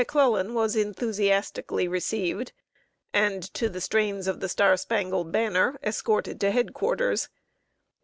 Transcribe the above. ] McClellan was enthusiastically received, and, to the strains of the "Star Spangled Banner," escorted to head quarters.